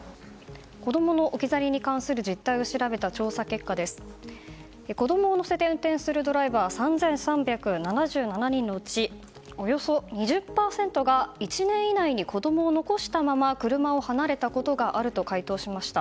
子供の置き去りに関する実態を調べた調査結果で子供を乗せて運転するドライバー３３７７人のうちおよそ２０％が１年以内に子供を残したまま車を離れたことがあると回答しました。